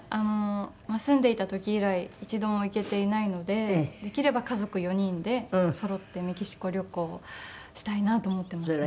住んでいた時以来一度も行けていないのでできれば家族４人でそろってメキシコ旅行をしたいなと思っていますね。